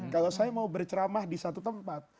kalau saya mau berceramah di satu tempat